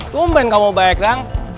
sumpahin gak mau baik rang